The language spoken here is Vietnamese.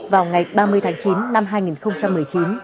vào ngày ba mươi tháng chín năm hai nghìn một mươi chín